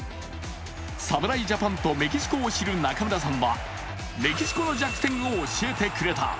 侍ジャパンとメキシコを知る中村さんはメキシコの弱点を教えてくれた。